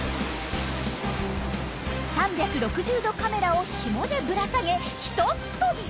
３６０度カメラをひもでぶら下げひとっ飛び。